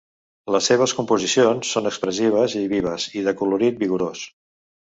Les seves composicions són expressives i vives, i de colorit vigorós.